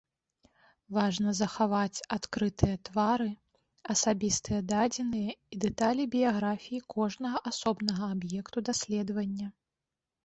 Важна захаваць адкрытыя твары, асабістыя дадзеныя і дэталі біяграфіі кожнага асобнага аб'екту даследавання.